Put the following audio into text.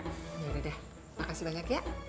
yaudah makasih banyak ya